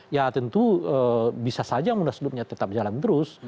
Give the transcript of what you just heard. ya tentu bisa saja munaslupnya tetap jalan terus